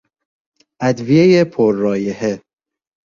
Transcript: ادویهی پر رایحه